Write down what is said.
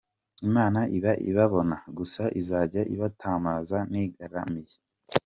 Imana iba ibabona gusa izajya ibatamaza nigaramiye.